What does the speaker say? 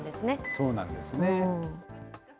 そうなんですね。